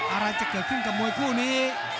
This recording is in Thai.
อะไรจะเกิดขึ้นกับมวยคู่นี้